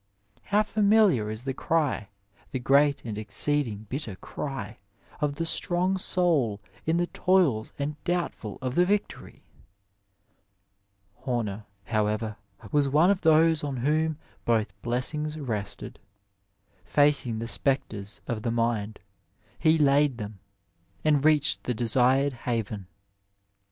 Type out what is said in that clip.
How familiar is the cry, the great and exceeding bitter cry of the strong soul in the toils and doubtful of the victory ! Homer, however, was one of those on whom both blessings rested. Facing the spectres Digitized by Google THE LEAVEN OF SCIENCE of the mind, he laid them, and reached the desired haven.